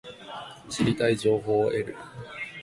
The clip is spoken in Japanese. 知りたい情報を得る